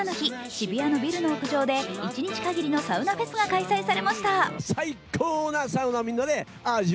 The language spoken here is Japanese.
渋谷のビルの屋上で一日限りのサウナフェスが開催されました。